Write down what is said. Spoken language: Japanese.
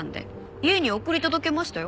家に送り届けましたよ？